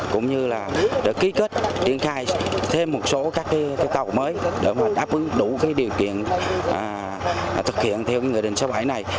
cũng như là ký kết triển khai thêm một số các tàu mới để đáp ứng đủ điều kiện thực hiện theo ngựa định sâu bãi này